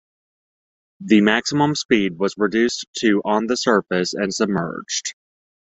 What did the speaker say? The maximum speed was reduced to on the surface and submerged.